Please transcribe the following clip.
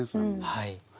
はい。